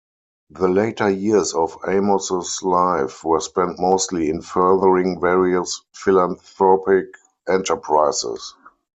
The later years of Amos's life were spent mostly in furthering various philanthropic enterprises.